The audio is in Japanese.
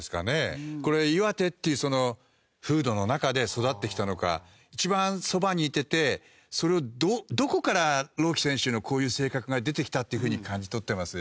これ岩手っていうその風土の中で育ってきたのか一番そばにいててそれをどこから朗希選手のこういう性格が出てきたっていうふうに感じ取ってます？